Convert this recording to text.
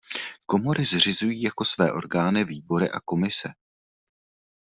Komory zřizují jako své orgány výbory a komise.